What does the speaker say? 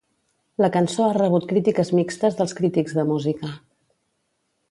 La cançó ha rebut crítiques mixtes dels crítics de música.